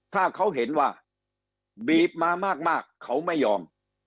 ถ้าเขาเห็นว่าบีบมามากเขาไม่ยอม